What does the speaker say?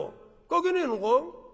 描けねえのか？」。